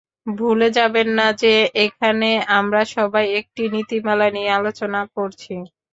ভুলে যাবেন না যে এখানে আমরা সবাই একটি নীতিমালা নিয়ে আলোচনা করছি।